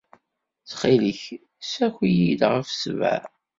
Ttxil-k, ssaki-iyi-d ɣef ssebɛa.